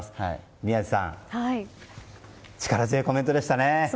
宮司さん力強いコメントでしたね。